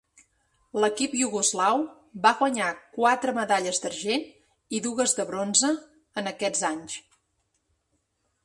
L'equip iugoslau va guanyar quatre medalles d'argent i dues de bronze, en aquests anys.